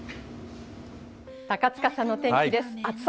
高塚さんのお天気です。